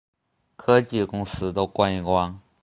科技公司都关一关